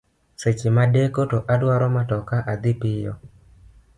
Seche ma adeko to adwaro matoka adhi piyo.